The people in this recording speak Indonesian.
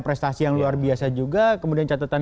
prestasi yang luar biasa juga kemudian catatan